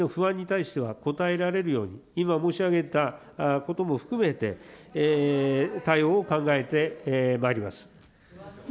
ぜひ国民の不安に対してはこたえられるように、今、申し上げたことも含めて、対応を考えてまいります。